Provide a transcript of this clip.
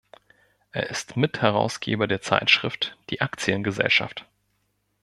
Er ist Mitherausgeber der Zeitschrift "Die Aktiengesellschaft".